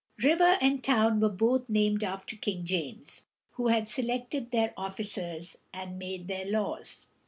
River and town were both named after King James, who had selected their officers and made their laws.